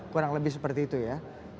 kurang lebih seperti itu ya